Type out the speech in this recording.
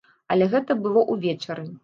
Але гэта было ўвечары.